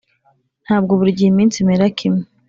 ntabwo buri gihe iminsi imera kimwe.